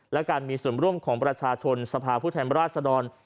และการมีส่วนร่วมของประชาชนสภาพผู้แทนราชดร